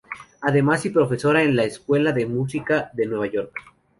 Además y profesora en la Escuela de Música de Nueva York.